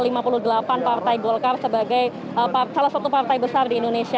ada lima puluh delapan partai golkar sebagai salah satu partai besar di indonesia